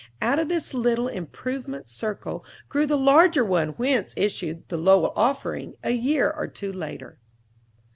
Out of this little "Improvement Circle" grew the larger one whence issued the "Lowell Offering," a year or two later.